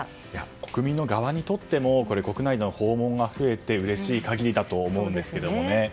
国民の側にとっても国内の訪問が増えてうれしい限りだと思うんですけれどもね。